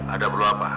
ada perlu apa